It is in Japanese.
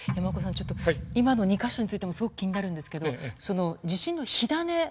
ちょっと今の２か所についてもすごく気になるんですけどその地震の火種